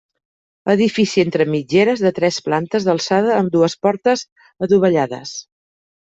Edifici entre mitgeres de tres plantes d'alçada amb dues portes adovellades.